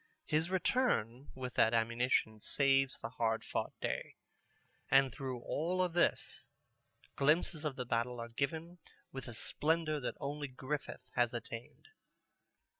His return with that ammunition saves the hard fought day. And through all this, glimpses of the battle are given with a splendor that only Griffith has attained.